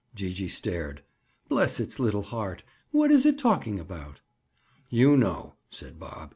Gee gee stared. "Bless its little heart, what is it talking about?" "You know," said Bob.